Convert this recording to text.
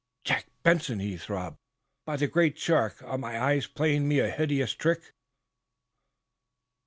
"Jack Benson!" he throbbed. "By the Great Shark, are my eyes playing me a hideous prank?"